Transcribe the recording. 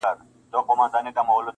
په لاسو کي د اغیار لکه پېلوزی-